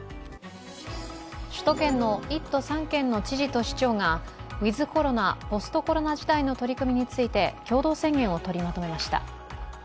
首都圏の１都３県の知事と市長がウィズ・コロナ、ポスト・コロナ時代の取り組みについて共同宣言を取りまとめました。